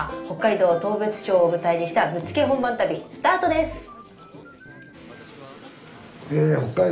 北海道当別町を舞台にしたぶっつけ本番旅スタートです！